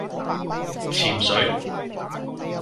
潛水